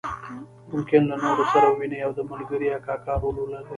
ممکن له نورو سره وویني او د ملګري یا کاکا رول ولري.